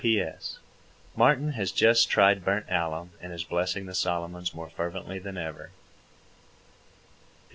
P.S. Martin has just tried burnt alum, and is blessing the Solomons more fervently than ever.